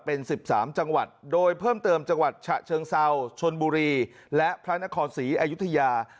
เป็น๑๓จังหวัดโดยเพิ่มเติมจังหวัดฉะเชิงเซาชนบุรีและพระนครศรีอยุธยา